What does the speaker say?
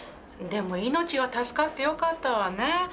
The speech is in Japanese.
でも命が助かってよかったわね。